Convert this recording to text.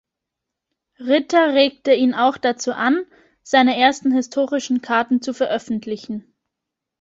Ritter regte ihn auch dazu an, seine ersten historischen Karten zu veröffentlichen.